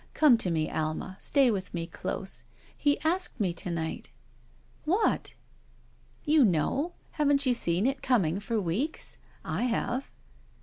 Come to me^ Alma; stay with me close. He asked me to night." "What?" "You know. Haven't you seen it coming for weeks? I have."